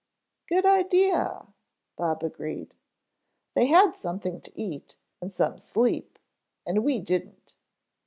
"Good idea," Bob agreed. "They had something to eat and some sleep, and we didn't.